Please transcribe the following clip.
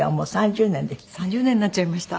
３０年になっちゃいました。